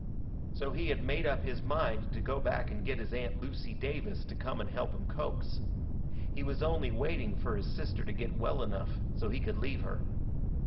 So he had made up his mind to go back and get his Aunt Lucy Davis to come and help him coax. He was only waiting fur his sister to get well enough so he could leave her.